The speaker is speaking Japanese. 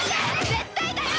絶対だよ！